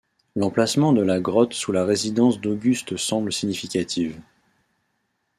L'emplacement de la grotte sous la résidence d'Auguste semble significative.